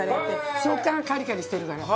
食感がカリカリしてるから。